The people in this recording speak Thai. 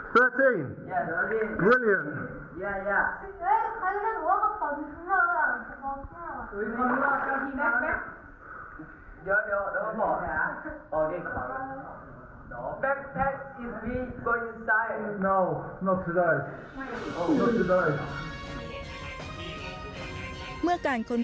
สวัสดีครับ